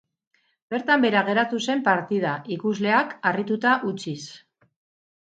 Bertan behera geratu zen partida, ikusleak harrituta utziz.